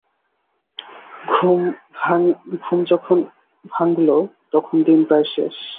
ঘুম যখন ভাঙ্গল তখন দিন প্রায় শেষ।